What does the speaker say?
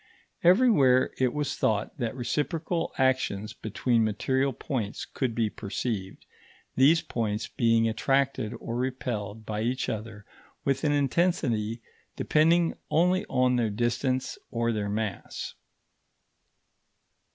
Everywhere it was thought that reciprocal actions between material points could be perceived, these points being attracted or repelled by each other with an intensity depending only on their distance or their mass.